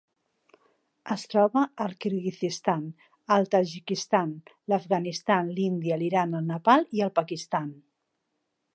Es troba al Kirguizistan, el Tadjikistan, l'Afganistan, l'Índia, l'Iran, el Nepal i el Pakistan.